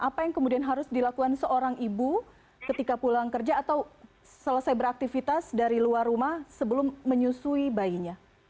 apa yang kemudian harus dilakukan seorang ibu ketika pulang kerja atau selesai beraktivitas dari luar rumah sebelum menyusui bayinya